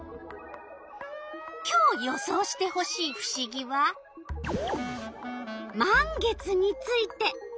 今日予想してほしいふしぎは「満月」について。